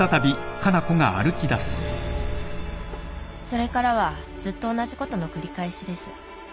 それからはずっと同じことの繰り返しです。